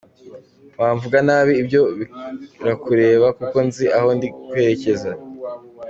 Wamvuga nabi ibyo birakureba kuko nzi aho ndi kwerekeza.